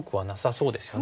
そうですね。